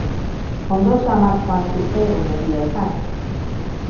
Ondo samar joan zitzaigun, egia esan.